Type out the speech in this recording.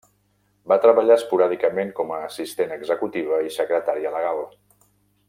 Va treballar esporàdicament com a assistent executiva i secretària legal.